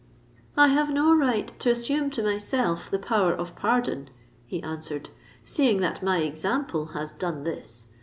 "I have no right to assume to myself the power of pardon," he answered; "seeing that my example has done this.